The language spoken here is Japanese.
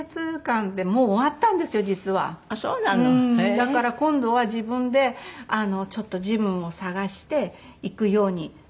だから今度は自分でちょっとジムを探して行くように。